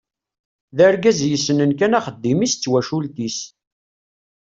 D argaz yessnen kan axeddim-is d twacult-is.